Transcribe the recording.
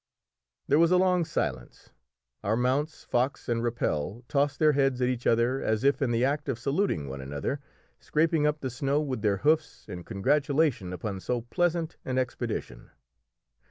There was a long silence; our mounts, Fox and Rappel, tossed their heads at each other as if in the act of saluting one another, scraping up the snow with their hoofs in congratulation upon so pleasant an expedition.